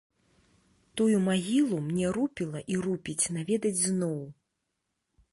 Тую магілу мне рупіла і рупіць наведаць зноў.